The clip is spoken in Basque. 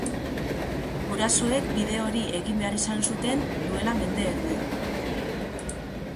Gurasoek bide hori egin behar izan zuten duela mende erdi.